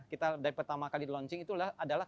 kita dari pertama kali launching itu adalah